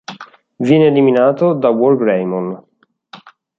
Viene eliminato da WarGreymon.